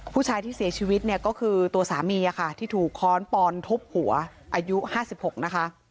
ผู้ชายที่เสียชีวิตเนี่ยก็คือตัวสามีค่ะที่ถูกค้อนปอนทุบหัวอายุ๕๖นะคะ